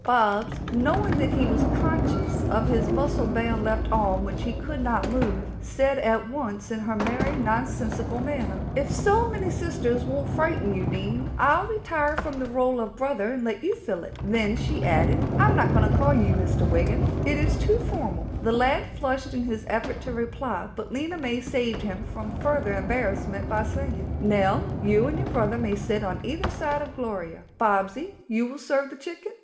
Bobs, knowing that he was conscious of his muscle bound left arm, which he could not move, said at once in her merry, nonsensical manner: "If so many sisters won't frighten you, Dean, I'll retire from the role of brother and let you fill it." Then she added, "I'm not going to call you Mr Wiggin. It is too formal." The lad flushed in his effort to reply, but Lena May saved him from further embarrassment by saying, "Nell, you and your brother may sit on either side of Gloria. Bobsy, will you serve the chicken?